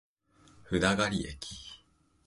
札苅駅